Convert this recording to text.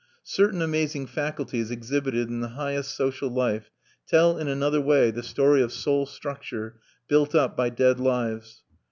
Certain amazing faculties exhibited in the highest social life tell in another way the story of soul structure built up by dead lives.